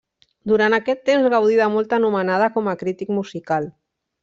Durant aquest temps gaudí de molta anomenada com a crític musical.